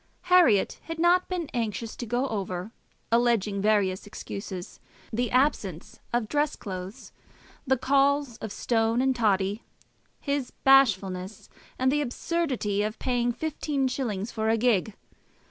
Herriot had not been anxious to go over, alleging various excuses, the absence of dress clothes, the calls of Stone and Toddy, his bashfulness, and the absurdity of paying fifteen shillings for a gig.